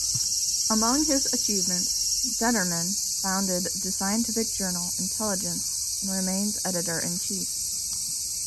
Among his achievements, Detterman founded the scientific journal "Intelligence", and remains editor in chief.